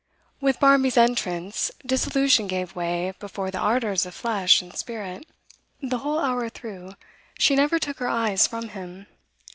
With Barmby's entrance disillusion gave way before the ardours of flesh and spirit. The whole hour through she never took her eyes from him.